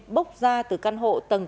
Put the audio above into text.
bốc ra từ căn hộ tầng tám